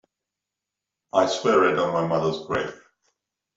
I swear it on my mother's grave.